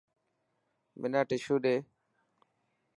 منا ششو ڏي.